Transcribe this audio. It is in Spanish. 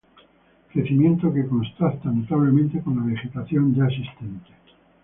Crecimiento que contrasta notablemente con la vegetación ya existente.